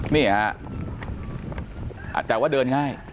นี่ฮะแต่ว่าเดินง่าย